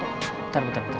bentar bentar bentar